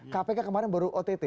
kpk kemarin baru ott